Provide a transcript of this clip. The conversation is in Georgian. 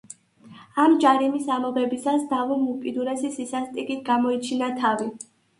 ამ ჯარიმის ამოღებისას დავუმ უკიდურესი სისასტიკით გამოიჩინა თავი.